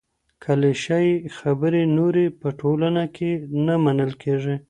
کليشه يي خبري نورې په ټولنه کي نه منل کېږي.